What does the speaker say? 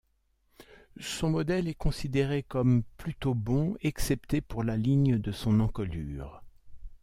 Son modèle est considéré comme plutôt bon, excepté pour la ligne de son encolure.